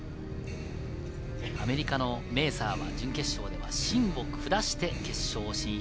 アメリカのメーサーは準決勝ではシンを下して決勝進出。